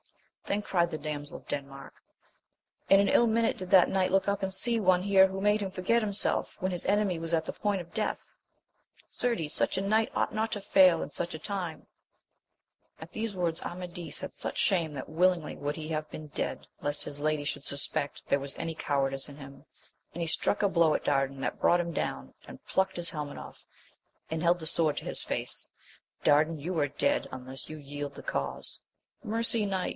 Then cried the damsel of Denmark, In an ill minute did that knight look up and see one here who made him forget himself when his enemy was at the point of death ! Certes such a knight ought not to fail in such a time ! At these words Amadis had such shame that willingly would he have been dead le.st his lady should suspect there was any cowardice in him, and he struck a blow at Dardan that brought him down; and plucked his helmet off, and held the sword to his face, — Dardan^ you are dead, unless you yield the cause ! Mercy, knight